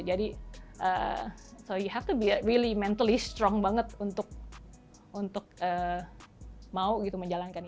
jadi you have to be really mentally strong banget untuk mau gitu menjalankan ini